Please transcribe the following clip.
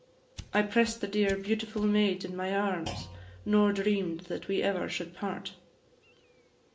I press'd the dear, beautiful maid in my arms, Nor dream'd that we ever should part.